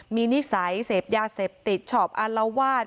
มีนิสัยเสพยาเสพติดชอบอารวาส